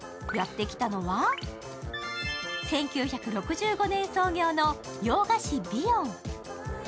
やってきたのは１９６５年創業の洋菓子ヴィヨン。